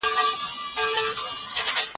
سالم ذهن روغتیا نه خرابوي.